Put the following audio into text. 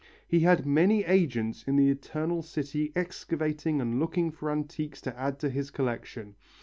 He had many agents in the Eternal City excavating and looking for antiques to add to his collection.